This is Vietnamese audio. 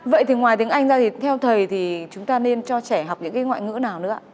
vậy thì ngoài tiếng anh ra thì theo thầy thì chúng ta nên cho trẻ học những cái ngoại ngữ nào nữa